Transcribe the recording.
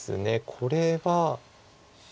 これは。